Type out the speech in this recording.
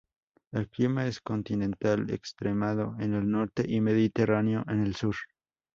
El clima es continental extremado en el norte y mediterráneo en el sur.